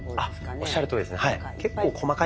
おっしゃるとおりですねはい。